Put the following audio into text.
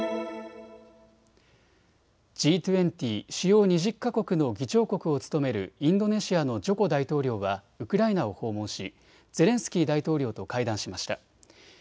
Ｇ２０・主要２０か国の議長国を務めるインドネシアのジョコ大統領はウクライナを訪問し、ゼレンスキー大統領と会談しました。